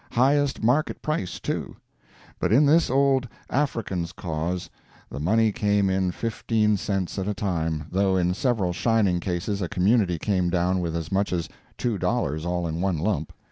Highest market price, too. But in this old African's cause the money came in fifteen cents at a time, though in several shining cases a community came down with as much as two dollars all in one lump.